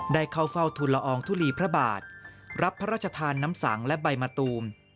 ได้เข้าเฝ้าทุนละอองทุลีพระบาทรับพระราชทานน้ำสังและใบมะตูม